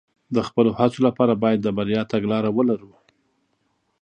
د خپلو هڅو لپاره باید د بریا تګلاره ولرو.